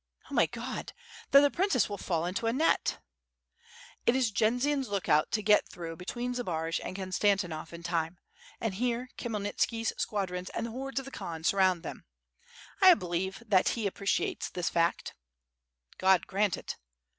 "Oh, my God! then the princess will fall into a net." "It is Jendzian's lookout to get through Between Zbaraj and Konstantinov in time, and here Khmyelnitsi's squadrons WITH FIRE AND 8W0RD. 55^ and the hordes of the Kian surround them. I believe that he appreciates this fact." "God grant it."